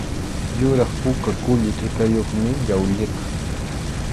Yuraq puka kulli tʼikayuqmi llawlliqa.